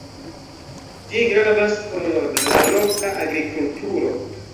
Ĝi gravas por la loka agrikulturo.